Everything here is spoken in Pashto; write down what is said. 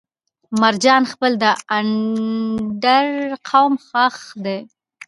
مرجان خيل د اندړ قوم خاښ دی